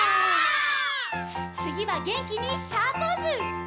「つぎは元気にシャーポーズ！」